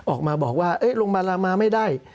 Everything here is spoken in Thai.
ออกมาบอกว่าโรงพยาบาลรามาไม่ได้